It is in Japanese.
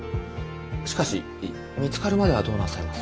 しかし見つかるまではどうなさいます。